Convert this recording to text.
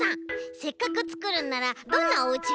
せっかくつくるんならどんなおうちがいい？